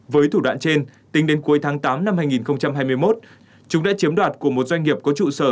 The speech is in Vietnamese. với thủ đoạn trên tính đến cuối tháng tám năm hai nghìn hai mươi một chúng đã chiếm đoạt của một doanh nghiệp có trụ sở